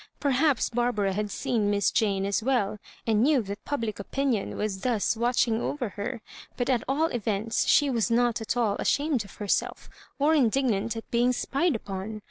Perhaps Barbara had seen Miss Jane as well, and knew that public opinion was thus watching over her; but at all events she was not at all ashamed of herself or indignant at being spied upon.